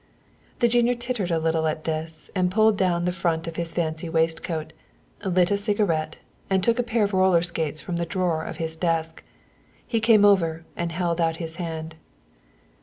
The junior tittered a little at this and pulled down the front of his fancy waistcoat, lit a cigarette, and took a pair of roller skates from the drawer of his desk. He came over and held out his hand.